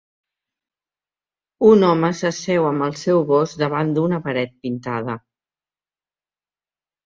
Un home s'asseu amb el seu gos davant d'una paret pintada.